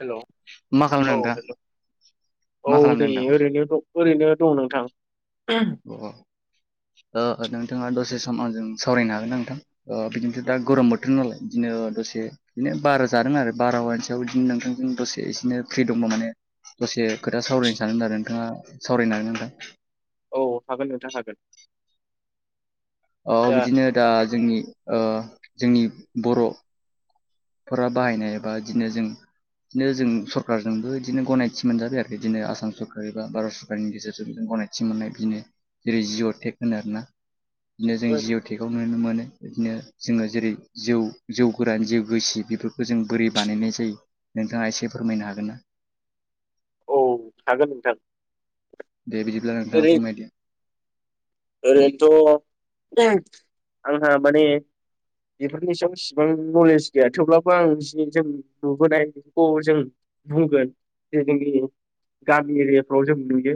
Hello मा खालामदों औ नोंथां हेलौ औ मा खालामदों नै नोंथां ओरैनो दं ओरैनो दं नोंथां अ ओ नोंथाङा दसे सम आजों सावरायनो हागोन ना नोंथां। ओ बिदिनोथ' दा गरम बोथोर नालाय बिदिनो दसे बिदिनो बार जादों आरो बारावहायनो बिदिनो नोंथांजों दसे इसेनो फ्रि दंबा माने दसे खोथा सावरायनो सानदोंमोन आरो नोंथाङा सावरायनो हागोन नोंथां? अ हागोन नोंथां हागोन अ बिदिनो दा ओ जोंनि जोंनि बर फोरा बाहायनाय एबा बिदिनो जों बिदिनो जों सरखारजोंबो बिदिनो गनायथि मोनजाबाय आरो बिदिनो आसाम सरकार एबा भारत सरकारनि गेजेरजोंबो गनायथि खाथि मोननाय बिदिनो जेरै जिअटेक होनो आरोना बिदिनो जों जिअटेकाव नुनो मोनो बिदिनो जोङो जेरै जौ जौ गोरान जिउ रोसि बेफोरखौ जों बोरै बानायनाय जायो नोंथाङा एसे फोरमायनो हागोन ना? औ हागोन नोंथां दे बिदिब्ला नोंथाङा ओरै फोरमायदो ओरैनोथ ओं आंहा माने बेफोरनि सायाव इसिबां नलेज गैया थेवब्लाबो आं जि जों नुबोनाय फजों बुंगोन जे जोंनि गामि एरियाफ्राव जों नुयो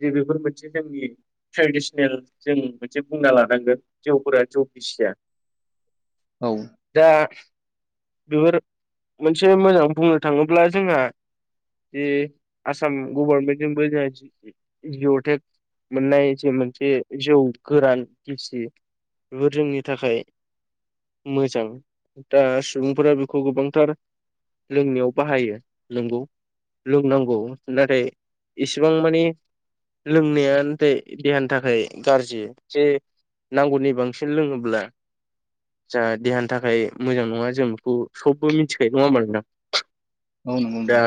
जे बेफोर मोनसे जोंनि ट्रेडिसनेल जों मोनसे बुंना लानांगोन जौफोरा जौ गिसिया औ दा बेफोर मोनसे मोजां बुंनो थाङोब्ला जोंहा जे आसाम गवारमेन्टजोंबो जोंहा जि जिअटेक मोननाय जे मोनसे जौ गोरान गिसि बेफोर जोंनि थाखाय मोजां दा सुबुंफोरा बेखौ गोबांथार लोंनायाव बाहायो नोंगौ लोंनांगौ नाथाय इसिबां माने लोंनाया नाथाय देहानि थाखाय गाज्रि जे नांगौनि बांसिन लोङोब्ला जा देहानि थाखाय मोजां नङा जों बेखौ सबबो मिथिखायो नङा होनबा नोंथां? औ नंगौ नोंथां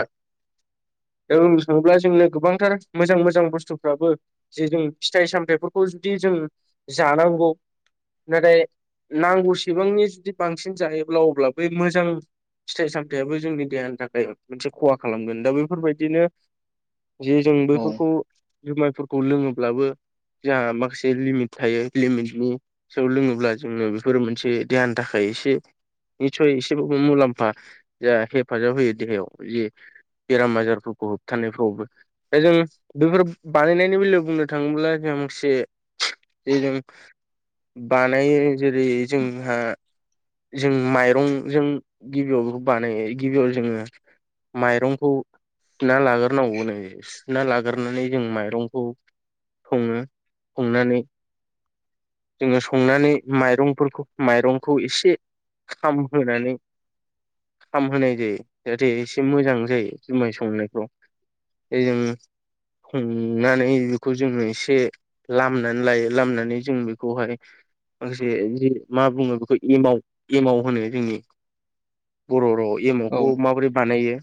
ओं सोङोब्ला जोंनो गोबांथार मोजां मोजां बुस्थुफ्राबो जे जों फिथाइ सामथाइफोरखौ जुदि जों जानांगौ नाथाय नांगौसेबांनि जुदि बांसिन जायोब्ला अब्ला बै मोजां फिथाइ सामथायाबो जोंनि देहानि थाखाय मोनसे खहा खालामगोन दा बेफोरबायदिनो जे जों औ बैफोरखौ जुमायफोरखौ लोङोब्लाबो जोंहा माखासे लिमिट थायो लिमिटनि जौ लोङोब्ला जोङो बेफोर मोनसे दहानि थाखाय एसे निसय एसेबाबो मुलाम्फा जा हेफाजाब होयो देहायाव जि बेराम आजारफोरखौ होबथानायफ्रावबो दा जों बेफोर बानायनायनि बेलायाव बुंनो थाङोब्ला जोंहा मोनसे जे जों बानायो जेरै जोंहा जों माइरंजों गिबियाव बेखौ बानायो गिबियाव जोङो माइरंखौ सुना लाग्रोनांगौ सुना लागोरनानै जों माइरंखौ सङो संनानै जोङो संनानै माइरंफोरखौ माइरंखौ एसे खामहोनानै खामहोनाय जायो जाहाथे एसे मोजां जायो जुमाय संनायखौ जों हमनानै बेखौ जोङो एसे लामनानै लायो लामनानै जों बेखौहाय माखासे जि मा बुङो बेखौ एमाव एमाव होनो जोंनि बर राव औ एमावखौ माबोरै बानायो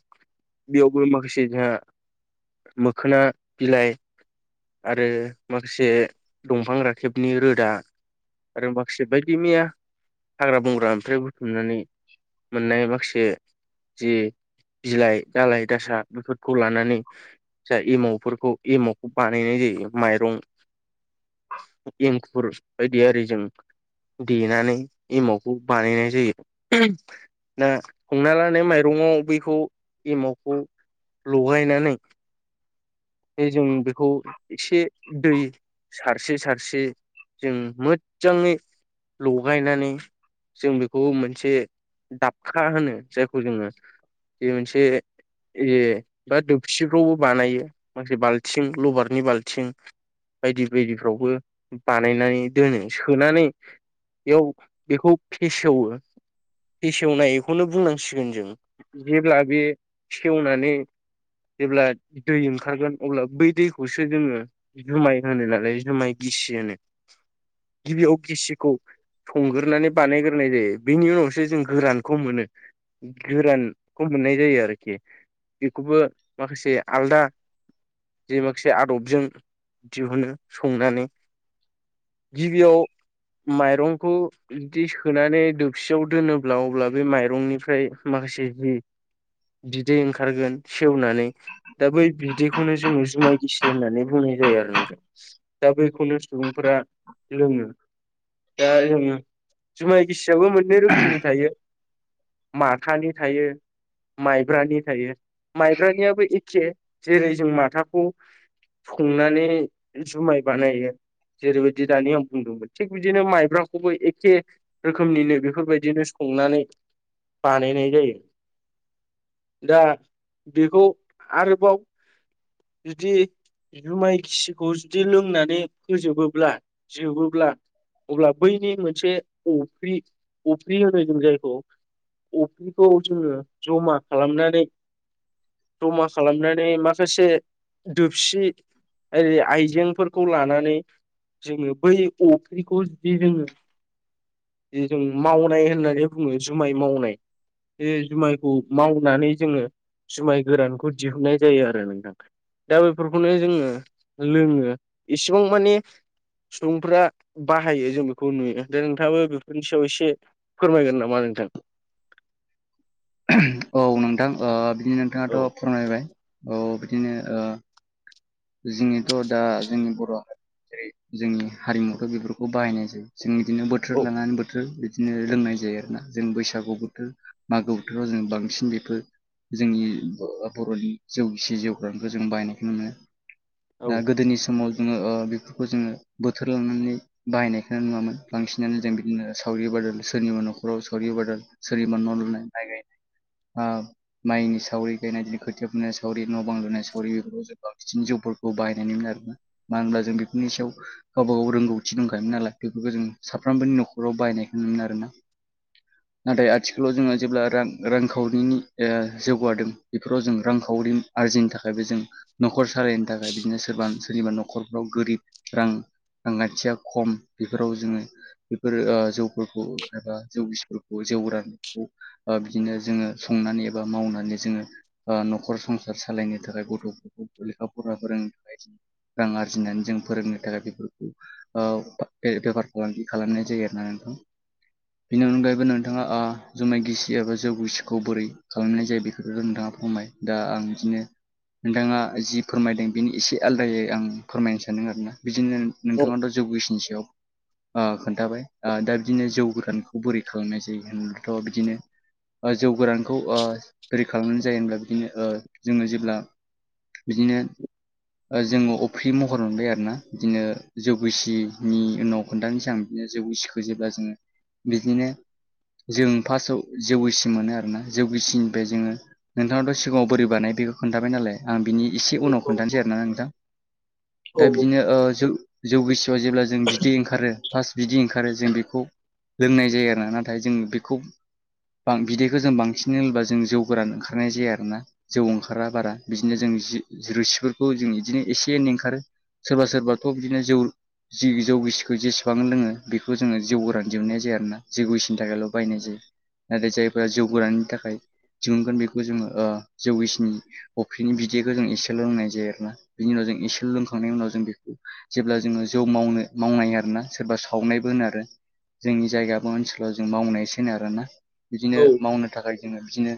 बेयावबो माखासे जोंहा मोखोना बिलाइ आरो माखासे दंफां राखेबनि रोदा आरो माखासे बायदि मैया हाग्रा बंग्रानिफ्राय बुथुमनानै मोननाय माखासे जे बिलाइ दालाय दासा बेफोरखौ लानानै जाहा एमावफोरखौ एमावखौ बानायनाय जायो। माइरं एंखुर बायदि आरिजों देनानै एमावखौ बानायनाय जायो। दा हमना ला नों माइरंआव बेखौ एमावखौ लगायनानै बे जों बेखौ एसे दै सारस्रि सारस्रि जों मोदजाङै लगायनानै जों बेखौ मोनसे दाबखा होनो जायखौ जोङो बे मोनसे ए बा दोबसिखौबो बानायो। माखासे बाल्थिं लबारनि बाल्थिं बायदि बायदिफ्रावबो बानायनानै दोनो। सोनानै बेयाव बेखौ फेसेवो फेसेवनायखौनो बुंनांसिगोन जों जेब्ला बे सेवनानै जेब्ला दै ओंखारगोन अब्ला बै दैखौसो जोङो जुमाय होनो नालाय जुमाय गिसि होनो। गिबियाव गिसिखौ संग्रोनानै बानायग्रोनाय जायो। बेनि उनावसो जों गोरानखौ मोनो। गोरानखौ मोननाय जायो आरोखि। बेखौबो माखासे आलदा जे माखासे आदबजों दिहुनो संनानै गिबियाव माइरंखौ बिदि सोनानै दोबसियाव दोनोब्ला अब्ला बे माइरंनिफ्राय माखासे जि बिदै ओंखारगोन सेवनानै दा बै बि दैखौनो जों जुमाय गिसि होननानै बुंनाय जायो आरो नोंथां। दा बैखौनो सुबुंफोरा लोङो। दा जोङो जुमाय गिसियाबो मोननै रोखोमनि थायो माथानि थायो। माइब्रानि थायो। माइब्रानियाबो एखे जेरै जों माथाखौ संनानै जुमाय बानायो। जेरैबायदि दानि आं बुंदोंमोन थिग बिदिनो माइब्राखौबो एखे रोखोमनिनो बेफोरबायदिनो संनानै बानायनाय जायो। दा बेखौ आरोबाव जुदि जुमाय गिसिखौ जुदि लोंनानै फोजोबोब्ला जोबोब्ला अब्ला बैनि मोनसे अफ्रि अफ्रि होनो जों जायखौ अफ्रिखौ जोङो जमा खालामनानै जमा खालामना नै माखासे दोबसि आरि आइजेंफोरखौ लानानै जोङो बै अफ्रिखौ जुदि जोङो दि जों मावनाय होननानै बुङो जुमाय मावनाय। बे जुमायखौ मावनानै जोङो जुमाय गोरानखौ दिहुननाय जायो आरो नोंथां। दा बेफोरखौनो जोङो लोङो इसेबां माने सुबुंफ्रा बाहायो जों बेखौ नुयो दा नोंथाङाबो बेफोरनि सायाव एसे फोरमायगोन नामा नोंथां? औ नोंथां ओ बिदि औ नोंथाङाथ' फोरमायबाय औ बिदिनो ओ जोंनिथ' दा जोंनि बर' [unintelligible] जेरै जोंनि हारिमुवथ' बेफोरखौ बाहायनाय जायो। जों बिदिनो बोथोर औ लांनानै बोथोर बिदिनो लोंनाय जायो आरोना। जों बैसागु बोथोर मागो बोथोराव जों बांसिन बेफोर जोंनि ब'-बर'नि जौ गिसि जौ गोरानखौ जों बायनायखौ नुनो मोनो। औ ओ गोदोनि समाव जोङो बेफोरखौ जोङो बोथोर लांनानै बाहायनायखो नुवामोन बांसिनानो जों बिदिनो सावरि बादोल सोरनिबा न'खराव सावरि बादलि सोरिबा न' लुनाय माय गायनाय ओ माइनि सावरि गायनाय बिदि खोथिया फुनाय सावरि न' बां लुनाय सावरि बेफोरखौ जोङो सिनजौफोरखौ बाहायनाय नुयोमोन आरोना मानो होनब्ला जों बेफोरनि सायाव गावबा गाव रोंगौथि दंखायोमोन नालाय बेफोरखौ जों साफ्रामबोनि न'खराव बायनायखौ नुनो मोनो आरो ना [inaudible] नाथाय आथिखालाव जोङो जेब्ला रां रांखावरिनि ओ जौगादों बेफोराव जों रांखावरि आरजिनो थाखायबो जों न'खर सालायनो थाखाय बिदिनो सोरबा सोरनिबा न'खरफ्राव गोरिब रां रांखानथिया खम बेफोराव जोङो बेफोरो ओ जौफोरखौ एबा जौ गिसिफोरखौ जौ रानायखौ ओ बिदिनो जोङो संनानै एबा मावनानै जोङो न'खर संसार सालायनो थाखाय गथ'फोरखौ लेखा फरा फोरोंनो थाखाय रां आरजिनानै जों फोरोंनो थाखाय बेफोरखौ ओ बेफार फालांगि खालामनाय जायो आरा नोंथां। बेनि अनगायैबो नोंथाङा ओजुमाय गिसि एबा जौ गिसिखौ बोरै खालामनाय जायो बेखौ' नोंथाङा फोरमबाय। दा आं बिदिनो नोंथाङा जि फोरमायदों बेनि एसे आलादायै आं फोरमायनो सानदों आरोना बिदिनो औ नोंथाङाथ' जौगिसिनि सायाव ओ खोन्थाबाय ओ दा बिदिनो जौ गोखानयखौ बोरै खालामनाय जायो होनब्लाथ' बिदिनो ओ जौ गोरानखौ ओ बोरै खालामनाय जायो होनब्ला बिदिनो ओ जोङो जेब्ला बिदिनो जोङो अफ्रि महर मोनबाय आरोना बिदिनो जौगिसिनि उनाव खोन्थानो सिगां बिदिनो जौ गसिखो जेब्ला जोङो बिदिनो जों फार्स्टआव जौगिसि मोनो आरोना जौगेसिनिफ्राय जोङो नोंथांनावथ' सिगाङाव बोरै बानाय बेखौ खोन्थाबाय नालाय आं बिनि एसे उनाव खोन्थानोसै आरोना नोंथां दा औ बिदिनो ओ जों जौ गिसिबा जेब्ला जों बिदि ओंखारो फार्स्ट बिदि ओंखारो जों बेखौ लोंनाय जायो आरोना नाथाय जों बेखौ बां बिदैखौ जों बांसिन होनबा जों जौ गोरान ओंखारनाय जाया आरोना जौ ओंखारा बारा बिदिनो जों जि रुसिफोरखौ जों बिदिनो एसे एनै ओंखारो सोरबा सोरबाथ' बिदिनो जौ जि जौगिसिखौ जेसेबां लोङो बेखौ जोङो जौ गोरान जोबनाय जाया आरोना जौ गोैसिनि थाखायल' बायनाय जायो। नाथाय जायफोरा जौराननि थाखाय दिहुनगोन बेखौ जोङो ओ जौगिसिनि अफ्रिनि बिदैखौ जों एसे लोंनाय जायो आरोना बिनि उनाव जों एसे लोंखांनायनि उनाव जों बेखौ जेब्ला जोङो जौ मावनो मावनाय आरोना सोरबा सावनायबो होनो आरो। जोंनि जायगायाबो ओनसोलाव जों मावनायसो होनो आरो आरोना। बिदिनो औ मावनो थाखाय जोङो बिदिनो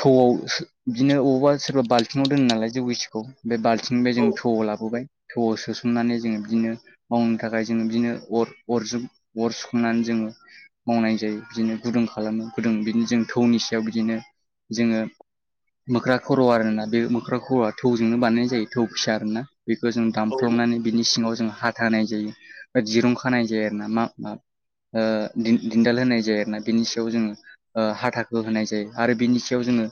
थौआवसो बिदिनो अबावबा सोरबा बाल्थिङाव दोनो नालाय जौ गिसिखौ बे बाल्थिंनिफ्राय जों औ थौवआव लाबोबाय। थौआव सो सोमनानै जोङो बिदिनो मावनो थाखाय जोङो बिदिनो अर अरजों अर सुखांनानै जोङो मावनाय जायो बिदिनो गुदुं खालामो गुदुं बिदिनो जों थौनि सायाव बिदिनो जोङो मोख्रा खर' आर ना बे मोख्रा खर'आ थौजोंनो बानायनाय जायो थौ फिसा आरो ना बेखौ जों औ दानफ्लंनानै बिनि सिङाव जों हा थानाय जायो दा दिरुं खानाय जाया आरो ना मा मा ओ दिन दिनदाल होनाय जाया आरोना बिनि सायाव जोङो ओ हाथाखौ होनाय जायो आरो बिनि सायाव जोङो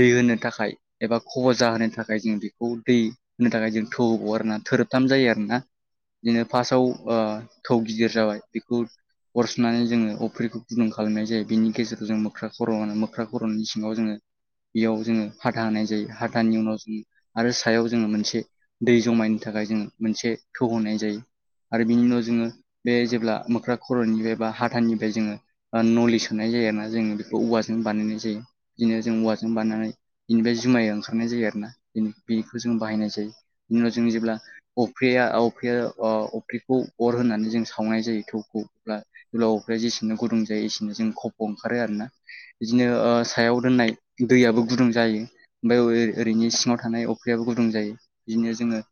दै होनो थाखाय एबा खब' जाहोनो थाखाय जों बेखौ दै होनो थाखाय जों थौव आरोबना थोरोबथाम जायो आरोना बिदिनो फार्स्टाव ओ थौ गिदिर जाबाय बेखौ अरसुनानै जोङो अफ्रिखौ गुदुं खालामनाय जायो बेनि गेजेराव जों मोख्रा खर' मोख्रा खर'नि सिङाव जोङो बेयाव जोङो हाथा होनाय जायो हाथानि उनाव जों आरो सायाव जोङो मोनसे दै जमायनो थाखाय जों मोनसे थौ होनाय जायो। आरो बिनि उनाव जोङो बे जेब्ला मोख्रा खर'निबे बा हाथानिफाय जोङो आ नलि सोनाय जायो आरो ना जों बिखौ औवाजों बानायनाय जायो दिनो जों औवा जों बनायनाय इनिफाय जुमाय ओंखारनाय जायो आरोना इन बिखौ जों बाहायनाय जायो बिनि उनाव जों जेब्ला अफेया अफेया अ अफेखौ अर होननानै जों सावनाय जायो थौखौ अब्ला दुलावफे जिसिनो गुदुं जायो इसिनो जों खबब' ओंखारो आरोना जिनो ओ सायाव दोननाय दैयाबो गुदुं जायो ओमफाय [unintelligible] ओरैनो सिङाव थानाय अख्रियाबो गुदुं जायो इनो जोङो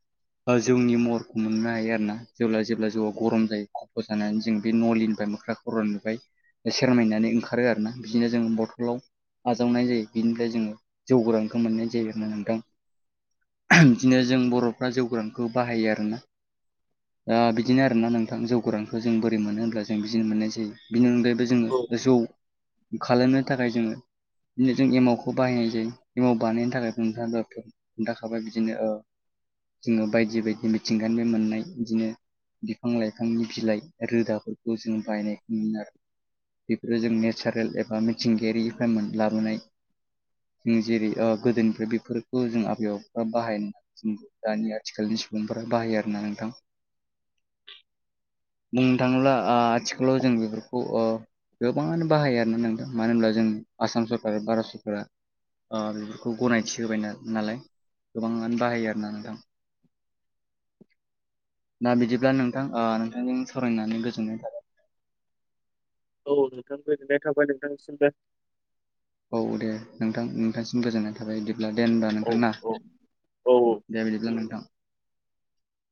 बा जौनि महरखौ मोननो हायो आरो ना जेब्ला जेब्ला जौआ गरम जायो खफ' जानानै जों बे न'लिनिफाय मोख्राखौ खर'निफाय एसेरनायनानै ओंखारो आरो ना बिदिनो जों बथ'लाव आजावनाय जायो बिनिफ्राय जोङो जौगोरानखौ मोननाय जायो आरोना नोंथां [unintelligible] दिनो जों बर'फ्रा जौगोरानखौ बाहायो आरोना आ बिदिनो आरो ना नोंथां जौ गोरांखौ जों बोरै मोनो होनब्ला जों बिदिनो मोननाय जायो बिनि अनगायै बो जोङो जौ खालामनो थाखाय जोङो बिदिनो जों एमावखौ बाहायनाय जायो एमाव बानायनो थाखाय नोंथाङा [unintelligible] खोन्थाखाबाय बिदिनो ओ जोङो बायदि बायदि मिथिंगानि [unintelligible] मोननाय बिदिनो बिफां लाइफांनि बिलाइ रोदाफोरखौ जों बायनायखौ मोन आरो बेफोरो जों नेचारेल एबा मिथिंगायारिफ्राय मोन लाबोनाय जों जेरै ओ गोदोनिफ्राय बेफोरखौ जों आबै आबौफा बाहायन [unintelligible] दानि आथिखालनि सुबुंफोरा बाहायो आरोना नोंथां बुंनो थाङोला आ आथिखालाव जों बेफोरखौ ओ गोबाङानो बाहायो आरोना नांदों मानो होनब्ला जों आसाम सरकारा बारास फोरा ओ बेफोरखौ गनायथि होबाय नालाय गोबाङानो बाहायो आरो ना नोंथां ना बिदिब्ला नोंथां ओ नोंथांजों सावरायनानै गोजोननाय [unintelligible] औ नोंथां गोजोननाय थाबाय नोंथांनिसिमबो औ दे नोंथां नोंथांसिम गोजोननाय थाबाय बिदिब्ला दे होनबा औ नोंथां ना औ औ औ [inaudible] दे बिदिब्ला नोंथां